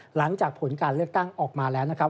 หลังจากผลการเลือกตั้งออกมาแล้วนะครับ